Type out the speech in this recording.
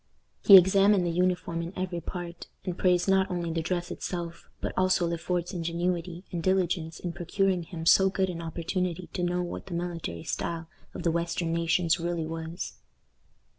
He examined the uniform in every part, and praised not only the dress itself, but also Le Fort's ingenuity and diligence in procuring him so good an opportunity to know what the military style of the western nations really was.